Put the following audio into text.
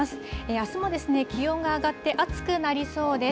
あすも、気温が上がって暑くなりそうです。